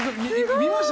見ました？